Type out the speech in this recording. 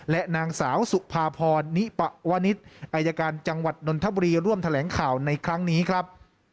และนางสาวสุภาพรนิปวนิษฐ์อายการจังหวัดนนทบุรีร่วมแถลงข่าวในครั้งนี้ครับ